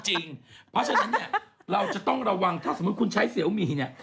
เพราะฉะนั้นเนี่ยเราจะต้องระวังถ้าสมมุติคุณใช้เสียวมีเนี่ย